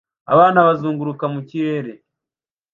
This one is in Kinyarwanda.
Abana bazunguruka mu kirere